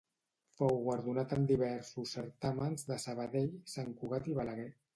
Fou guardonat en diversos certàmens de Sabadell, Sant Cugat i Balaguer.